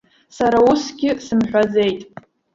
Сара усгьы сымҳәаӡеит.